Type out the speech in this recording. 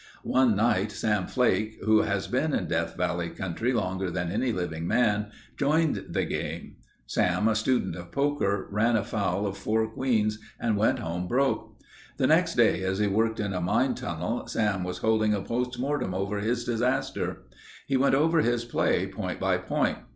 One night Sam Flake who has been in Death Valley country longer than any living man, joined the game. Sam, a student of poker, ran afoul of four queens and went home broke. The next day as he worked in a mine tunnel, Sam was holding a post mortem over his disaster. He went over his play point by point.